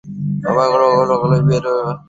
এখন এই বিয়ের সাথে আমার কোন লেনা দেনা নেই।